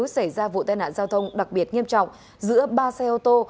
xảy ra vụ tai nạn giao thông đặc biệt nghiêm trọng giữa ba xe ô tô